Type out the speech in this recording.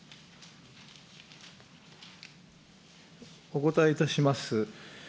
お答えいたします。